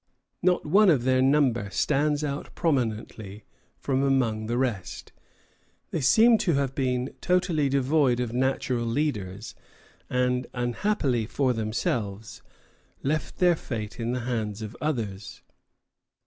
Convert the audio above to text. Not one of their number stands out prominently from among the rest. They seem to have been totally devoid of natural leaders, and, unhappily for themselves, left their fate in the hands of others.